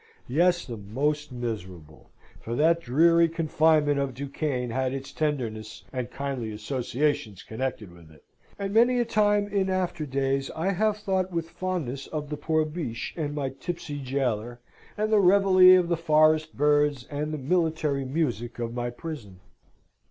Yes, the most miserable: for that dreary confinement of Duquesne had its tendernesses and kindly associations connected with it; and many a time in after days I have thought with fondness of the poor Biche and my tipsy jailor, and the reveille of the forest birds and the military music of my prison.